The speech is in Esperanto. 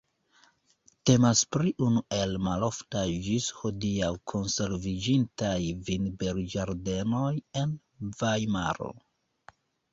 Temas pri unu el maloftaj ĝis hodiaŭ konserviĝintaj vinberĝardenejoj en Vajmaro.